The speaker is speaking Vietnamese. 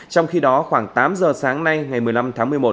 trong khi đó khoảng tám giờ sáng nay ngày một mươi năm tháng một mươi một